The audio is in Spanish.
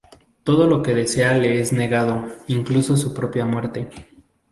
Todo lo que desea le es negado, incluso su propia muerte.